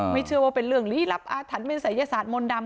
ไม่เชื่อว่าเป็นเรื่องหรือหลับอาทันเป็นศัยยศาสตร์มนต์ดำ